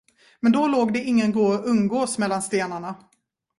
Men då låg det ingen grå unggås mellan stenarna.